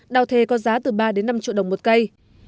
đào thề có giá từ ba đến năm triệu đồng một cây